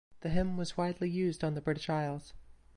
The hymn was widely used on the British Isles.